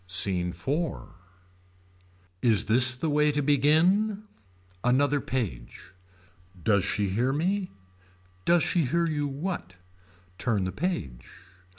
SCENE IV. Is this the way to begin. Another page. Does she hear me. Does she hear you what. Turn the page.